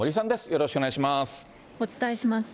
よろしくお願いします。